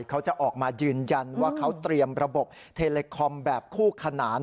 เขาจะออกมายืนยันว่าเขาเตรียมระบบเทเลคอมแบบคู่ขนาน